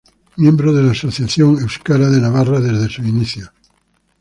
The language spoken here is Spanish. Miembro de la Asociación Euskara de Navarra desde sus inicios.